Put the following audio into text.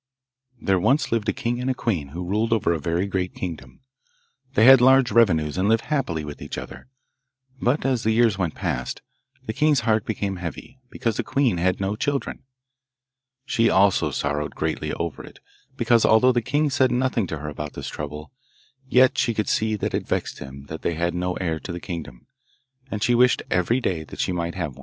There once lived a king and a queen who ruled over a very great kingdom. They had large revenues, and lived happily with each other; but, as the years went past, the king's heart became heavy, because the queen had no children. She also sorrowed greatly over it, because, although the king said nothing to her about this trouble, yet she could see that it vexed him that they had no heir to the kingdom; and she wished every day that she might have one.